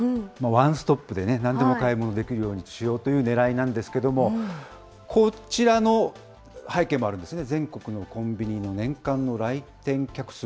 ワンストップでね、なんでも買い物できるようにしようというねらいなんですけども、こちらの背景もあるんですね。